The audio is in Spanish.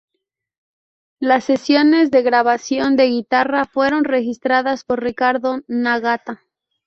Las sesiones de grabación de guitarra fueron registradas por Ricardo Nagata.